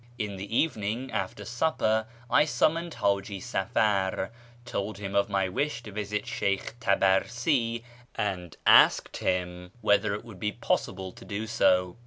In the evening, after supper, I summoned Haji Safar, told him of my wish to visit Sheykh Tabarsi, and asked him whether it would be possible to do so.